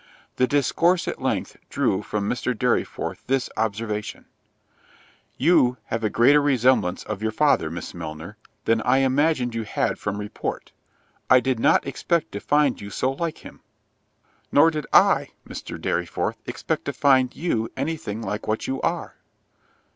The discourse at length drew from Mr. Dorriforth this observation: "You have a greater resemblance of your father, Miss Milner, than I imagined you had from report: I did not expect to find you so like him." "Nor did I, Mr. Dorriforth, expect to find you any thing like what you are."